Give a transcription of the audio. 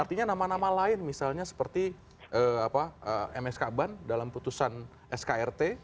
artinya nama nama lain misalnya seperti msk ban dalam putusan skrt yang melibatkan anggota